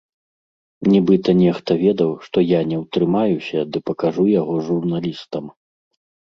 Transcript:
Нібыта нехта ведаў, што я не ўтрымаюся ды пакажу яго журналістам.